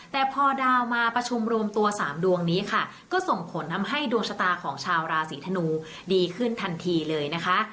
แต่พอดาวมาประชุมรวมตัว๓ดวงนี้ค่ะก็ส่งผลทำให้ดวงชะตาของชาวราศีธนูดีขึ้นทันทีเลยนะคะ